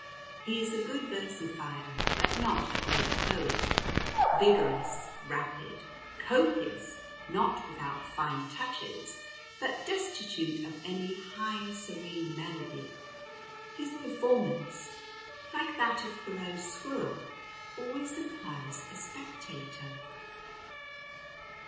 He is a good versifier, but not a great poet. Vigorous, rapid, copious, not without fine touches, but destitute of any high, serene melody, his performance, like that of Thoreau's squirrel, always implies a spectator.